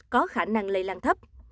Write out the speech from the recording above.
có khả năng lây lan thấp